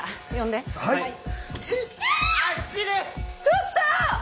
ちょっと！